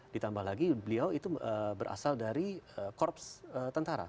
ditambah lagi beliau itu berasal dari korps tentara